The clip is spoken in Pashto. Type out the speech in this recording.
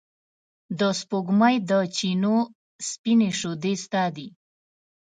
د سپوږمۍ د چېنو سپینې شیدې ستا دي